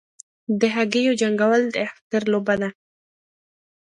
د هګیو جنګول د اختر لوبه ده.